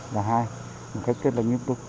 và hai một cách rất là nghiêm túc